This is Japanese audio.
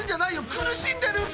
くるしんでるんだ！